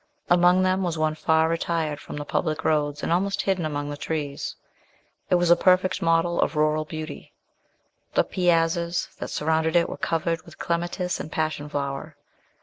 Among them was one far retired from the public roads, and almost hidden among the trees. It was a perfect model of rural beauty. The piazzas that surrounded it were covered with clematis and passion flower.